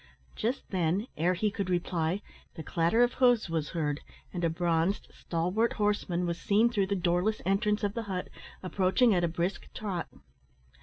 Just then, ere he could reply, the clatter of hoofs was heard, and a bronzed, stalwart horseman was seen through the doorless entrance of the hut, approaching at a brisk trot.